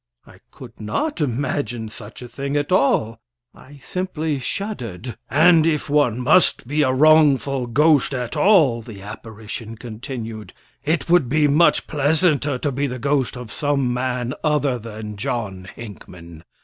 I could not imagine such a thing at all. I simply shuddered. "And if one must be a wrongful ghost at all," the apparition continued, "it would be much pleasanter to be the ghost of some man other than John Hinckman.